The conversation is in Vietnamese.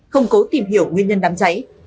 không cố tìm hiểu nguyên nhân đám cháy